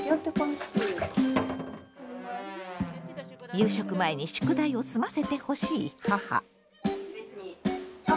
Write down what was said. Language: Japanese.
夕食前に宿題を済ませてほしい母。